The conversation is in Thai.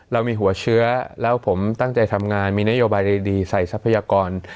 เรามีหัวเชื้อแล้วผมตั้งใจทำงานมีนโยบายดีใส่ทรัพยากร